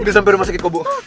udah sampe rumah sakit kok ibu